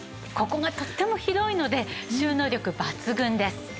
ここがとっても広いので収納力抜群です。